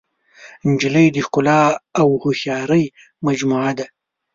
نجلۍ د ښکلا او هوښیارۍ مجموعه ده.